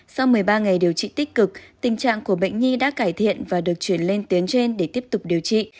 sau một mươi ba ngày điều trị tích cực tình trạng của bệnh nhi đã cải thiện và được chuyển lên tuyến trên để tiếp tục điều trị